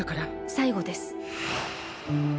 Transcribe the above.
最後です。